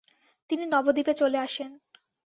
তিনি নবদ্বীপে চলে আসেন।